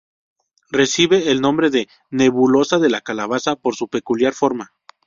Recibe el nombre de "nebulosa de la Calabaza" por su peculiar forma.